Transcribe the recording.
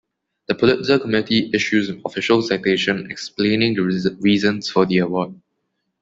The Pulitzer Committee issues an official citation explaining the reasons for the award.